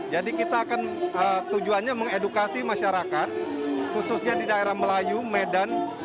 jadi kita akan tujuannya mengedukasi masyarakat khususnya di daerah melayu medan